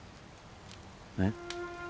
えっ？